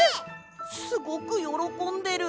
すごくよろこんでる！